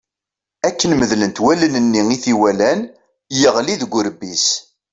Akken medlent wallen-nni i t-iwalan, yeɣli deg urebbi-s.